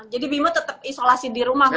jadi bimo tetap isolasi di rumah